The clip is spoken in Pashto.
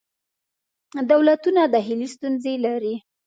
دولتونه داخلې ستونزې لري.